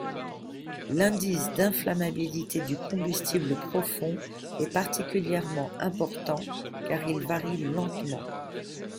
L'indice d'inflammabilité du combustible profond est particulièrement important car il varie lentement.